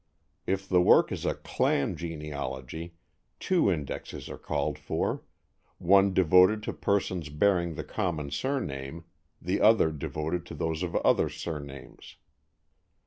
If the work is a "clan" genealogy, two indexes are called for, one devoted to persons bearing the common surname, the other devoted to those of other surnames.